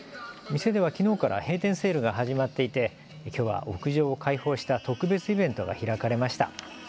店ではきのうから閉店セールが始まっていて、きょうは屋上を開放した特別イベントが開かれました。